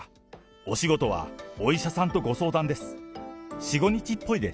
お仕事はお医者さんとご相談です。